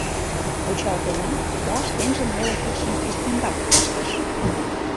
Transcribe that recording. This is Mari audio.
Вучалтена, — да шкенжын неле кидшым ӱстембаке пыштыш.